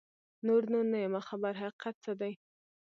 نور نو نه یمه خبر حقیقت څه دی